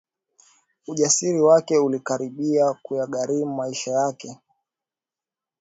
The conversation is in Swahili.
Ujasiri wake ulikaribia kuyagharimu maisha yake